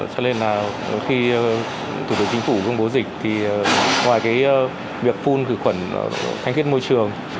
cho nên là khi thủ tướng chính phủ công bố dịch thì ngoài cái việc phun khử khuẩn thanh thiết môi trường